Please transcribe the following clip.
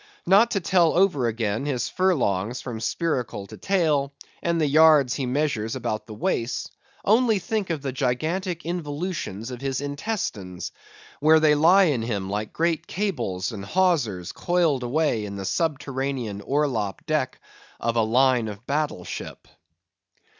Not to tell over again his furlongs from spiracle to tail, and the yards he measures about the waist; only think of the gigantic involutions of his intestines, where they lie in him like great cables and hawsers coiled away in the subterranean orlop deck of a line of battle ship.